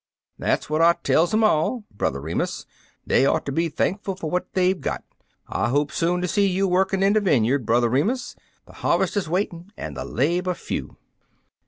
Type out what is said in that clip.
"That's what I tells 'em all, Brother Remus. They ought to be thankful for what they've got. I hope soon to see you workin' in the vineyard, Brother Remus. The harvest is waitin' an' the labor few."